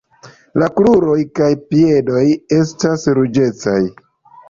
La kruroj kaj piedoj estas ruĝecaj.